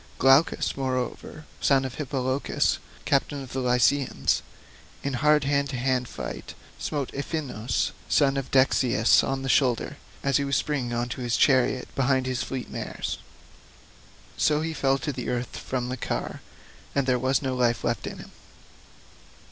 Glaucus, moreover, son of Hippolochus, captain of the Lycians, in hard hand to hand fight smote Iphinous son of Dexius on the shoulder, as he was springing on to his chariot behind his fleet mares; so he fell to earth from the car, and there was no life left in him.